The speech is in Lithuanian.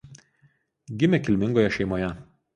Gimė kilmingoje šeimoje.